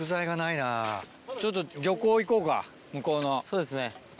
そうですね。